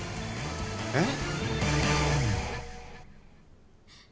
えっ？